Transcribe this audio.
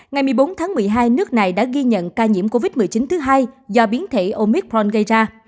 ngày một mươi bốn tháng một mươi hai nước này đã ghi nhận ca nhiễm covid một mươi chín thứ hai do biến thể omicron gây ra